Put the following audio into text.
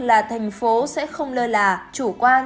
là tp hcm sẽ không lờ là chủ quan